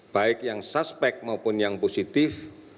baik yang suspek maupun yang positif